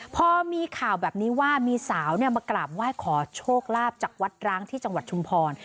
พอมีข่าวแบบนี้ว่ามีสาวมากราบไหว้ขอโชคลาภจากวัดร้างที่จังหวัดชุมพร